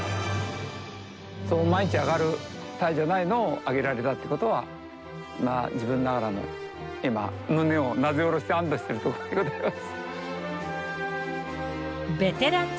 そう毎日上がる鯛じゃないのを上げられたってことはまあ自分ながらも今胸をなで下ろして安どしているところでございます。